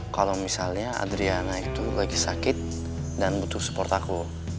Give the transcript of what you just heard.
kalau misalnya adriana itu lagi sakit dan butuh support aku